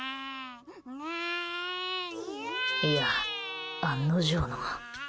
いや、案の定の。